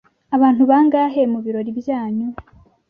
abantu bangahe mubirori byanyu